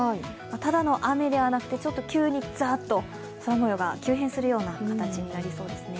ただの雨ではなくて、急にザッと空模様が急変するような形になりそうですね。